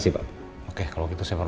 tidak ada apa apa